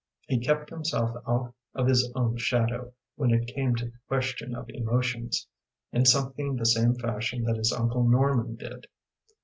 He kept himself out of his own shadow, when it came to the question of emotions, in something the same fashion that his uncle Norman did.